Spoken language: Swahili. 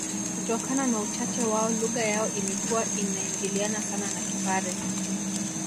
Kutokana na uchache wao lugha yao imekuwa inaingiliana sana na Kipare